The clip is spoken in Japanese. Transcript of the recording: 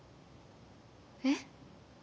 えっ？